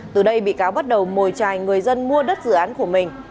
từ đây bị cáo bắt đầu mồi trài người dân mua đất dự án của mình